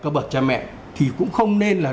các bà cha mẹ thì cũng không nên là